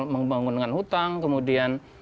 membangun dengan hutang kemudian